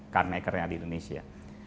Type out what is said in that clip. car maker nya di indonesia